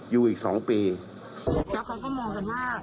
แล้วเขาก็มองกันว่า